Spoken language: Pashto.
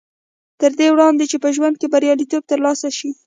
تر دې وړاندې چې په ژوند کې برياليتوب تر لاسه شي.